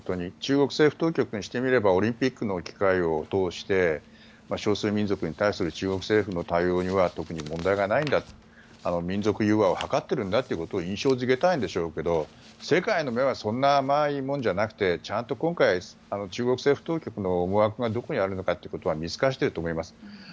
中国政府当局にしてみればオリンピックの機会を通して少数民族に対する中国政府の対応には特に問題がないんだ民族融和を図っているんだということを印象付けたいんでしょうけど世界の目はそんな甘いものじゃなくてちゃんと今回中国政府当局の思惑がどこにあるのかということは見透かしていると思います。